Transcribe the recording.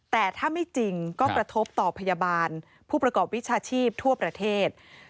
แต่ถ้าไม่จริงก็กระทบต่อพยาบาลผู้ประกอบวิชาชีพทั่วประเทศ